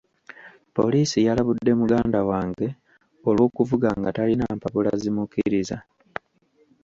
Poliisi yalabudde muganda wange olw'okuvuga nga talina mpapula zimukkiriza.